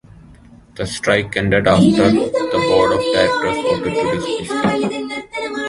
The strike ended after the board of directors voted to dismiss Gil.